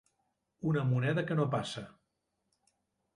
Una moneda que no passa.